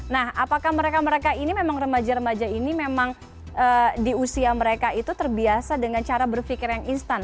nah apakah mereka mereka ini memang remaja remaja ini memang di usia mereka itu terbiasa dengan cara berpikir yang instan